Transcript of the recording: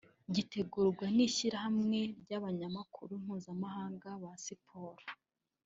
gitegurwa n’Ishyirahamwe ry’abanyamakuru mpuzamahanga ba siporo